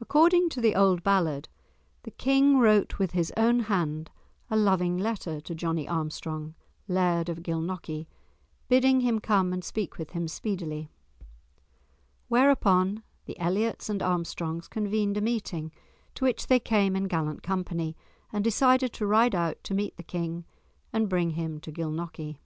According to the old ballad the King wrote with his own hand a loving letter to Johnie Armstrong, Laird of Gilnockie, bidding him come and speak with him speedily. Whereupon the Elliots and Armstrongs convened a meeting, to which they came in gallant company, and decided to ride out to meet the King and bring him to Gilnockie.